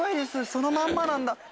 そのまんまなんだ。